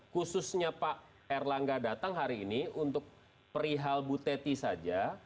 khususnya pak erlangga datang hari ini untuk perihal bu teti saja